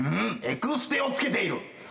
エクステをつけている？